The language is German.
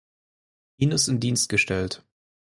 Lines in Dienst gestellt.